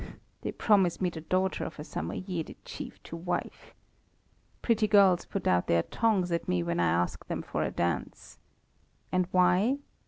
They promise me the daughter of a Samoyede chief to wife. Pretty girls put out their tongues at me when I ask them for a dance. And why?